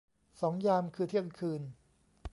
สองยาม คือเที่ยงคืน